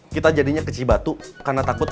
kita jadinya ke cibatu karena takut